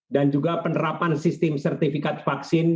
dan juga penerapan sistem sertifikat vaksin